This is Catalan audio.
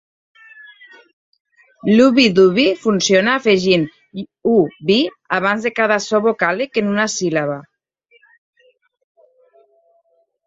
L'Ubbi dubbi funciona afegint "-ub-" abans de cada so vocàlic en una síl·laba.